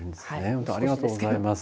本当ありがとうございます。